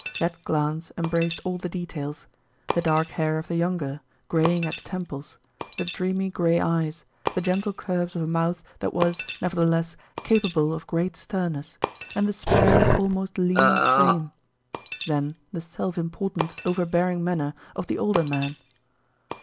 That glance embraced all the details; the dark hair of the younger, greying at the temples, the dreamy grey eyes, the gentle curves of a mouth that was, nevertheless, capable of great sternness, and the spare, almost lean frame; then the self important, overbearing manner of the older man.